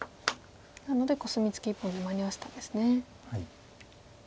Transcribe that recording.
なのでコスミツケ１本で間に合わせたんですね。